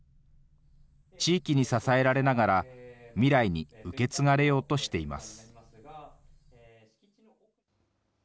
地域に支えられながら、未来に受け継がれようとしています。